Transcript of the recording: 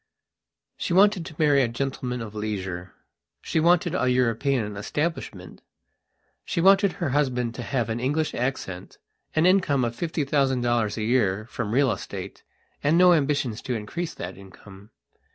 She wanted to marry a gentleman of leisure; she wanted a European establishment. She wanted her husband to have an English accent, an income of fifty thousand dollars a year from real estate and no ambitions to increase that income.